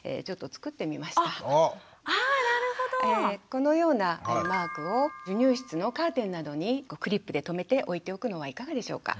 このようなマークを授乳室のカーテンなどにクリップで留めて置いておくのはいかがでしょうか。